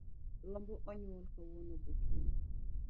Rombo onyuol kawuono gokinyi.